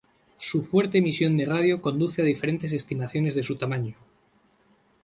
Su fuerte emisión de radio conduce a diferentes estimaciones de su tamaño.